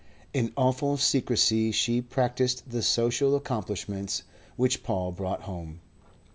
In awful secrecy she practised the social accomplishments which Paul brought home.